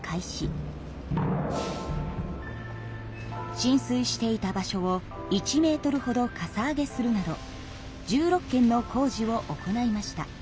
浸水していた場所を１ｍほどかさ上げするなど１６件の工事を行いました。